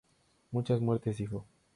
Muchas muertes", dijo.